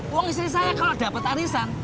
uang istri saya kalau dapat arisan